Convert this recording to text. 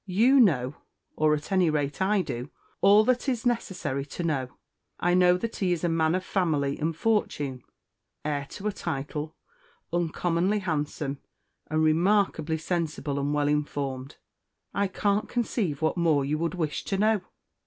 You know (or, at any rate, I do) all that is necessary to know. I know that he is a man of family and fortune, heir to a title, uncommonly handsome, and remarkably sensible and well informed. I can't conceive what more you would wish to know!"